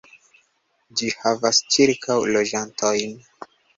Ĝi havas ĉirkaŭ loĝantojn.